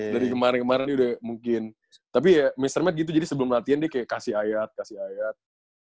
dari kemarin kemarin udah mungkin tapi ya mr mat gitu jadi sebelum latihan dia kayak kasih ayat kasih ayat